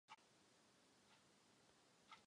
Pochován byl na ústředním hřbitově.